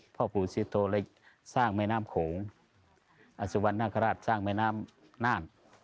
พ่อปู่สิโธเลยสร้างแม่น้ำโขงอสุวรรณนาคาราชสร้างแม่น้ำน่าน